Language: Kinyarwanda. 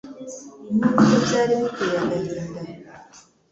nubwo byari biteye agahinda,